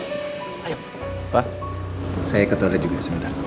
papa saya ke toilet juga sebentar